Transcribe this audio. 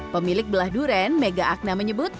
pemilik belah durian mega agna menyebut